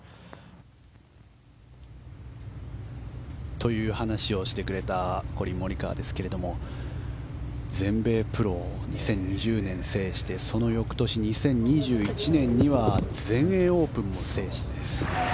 という話をしてくれたコリン・モリカワですけど全米プロ２０２０年に制してその翌年２０２１年には全英オープンも制して。